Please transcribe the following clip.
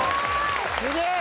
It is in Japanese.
すげえ！